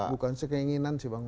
bukan sekeinginan sih bang